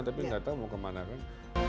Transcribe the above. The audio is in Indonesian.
tapi gak tau mau kemana kan